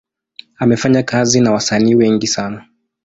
Amefanya kazi na wasanii wengi sana.